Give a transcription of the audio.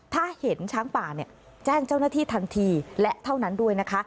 ถ้าเห็นช้างป่าเนี่ยแจ้งเจ้าหน้าที่ทันทีและเท่านั้นด้วยนะคะ